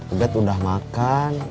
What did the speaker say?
udah udah makan